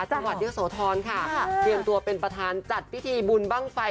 จังหวัดเยี่ยมโสทรค่ะเตรียมตัวเป็นประธานจัดพิธีบุญบ้างไฟ